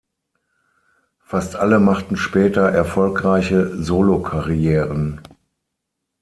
Fast alle machten später erfolgreiche Solo-Karrieren.